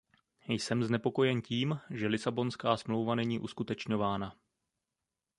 Jsem znepokojen tím, že Lisabonská smlouva není uskutečňována.